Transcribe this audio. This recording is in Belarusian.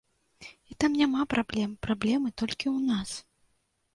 І там няма праблем, праблемы толькі ў нас.